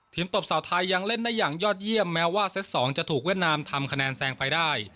ตบสาวไทยยังเล่นได้อย่างยอดเยี่ยมแม้ว่าเซต๒จะถูกเวียดนามทำคะแนนแซงไปได้